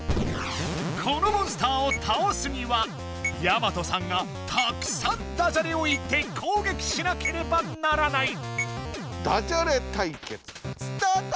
このモンスターをたおすにはやまとさんがたくさんダジャレを言って攻撃しなければならない。